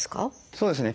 そうですね。